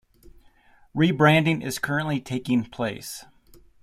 Re-branding is currently taking place.